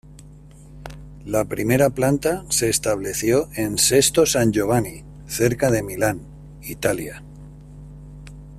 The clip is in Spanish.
La primera planta se estableció en Sesto San Giovanni cerca de Milán, Italia.